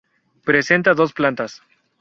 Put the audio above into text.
Presenta dos plantas.